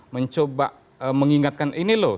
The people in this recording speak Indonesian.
mencoba mengingatkan ini loh